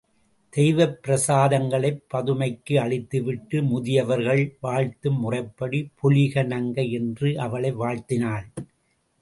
தெய்வப் பிரசாதங்களைப் பதுமைக்கு அளித்துவிட்டு முதியவர்கள் வாழ்த்தும் முறைப்படி, பொலிக நங்கை! என்று அவளை வாழ்த்தினாள்.